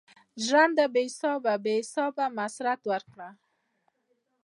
ژونده بی حسابه ؛ بی حسابه مسرت ورکړه